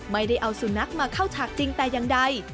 ไม่ได้เอาสุนัขมาเข้าฉากจริงแต่อย่างใด